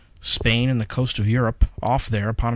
Spain and the coast of Europe, off there upon another height.